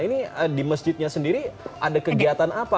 ini di masjidnya sendiri ada kegiatan apa